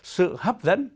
sự hấp dẫn